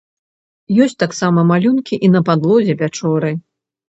Ёсць таксама малюнкі і на падлозе пячоры.